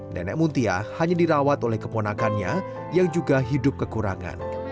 nenek muntia hanya dirawat oleh keponakannya yang juga hidup kekurangan